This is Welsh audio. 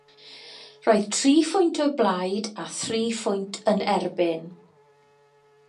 Roedd tri phwynt o blaid a thri phwynt yn erbyn.